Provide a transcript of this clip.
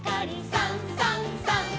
「さんさんさん」